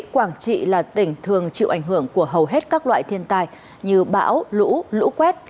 quảng trị là tỉnh thường chịu ảnh hưởng của hầu hết các loại thiên tài như bão lũ lũ quét